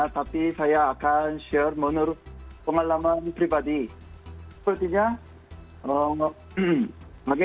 karena juga kita punya bralat mungkin yg ini adalah per cat dulu lagi baik baiknya